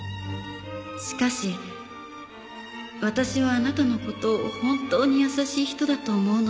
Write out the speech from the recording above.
「しかし私はあなたの事を本当に優しい人だと思うのです」